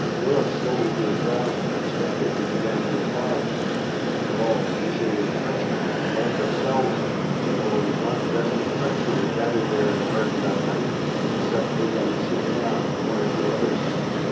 Willet slowly gave ground and the spectators began to applaud. After all, Boucher was a Frenchman and one of themselves, although it was not the best of the French who were gathered there in the garden that night except de Galisonnière and one or two others.